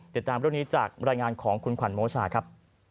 ติดตามเรื่องนี้จากรายงานของคุณขวัญโมชาครับ